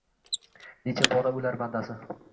Necha bora oʼlar bandasi.